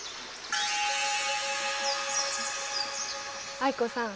藍子さん